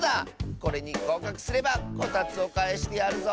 これにごうかくすればこたつをかえしてやるぞ！